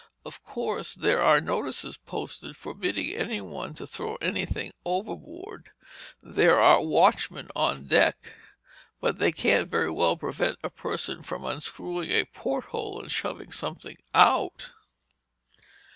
Of course, there are notices posted forbidding anyone to throw anything overboard: and there are watchmen on deck. But they can't very well prevent a person from unscrewing a porthole and shoving something out!"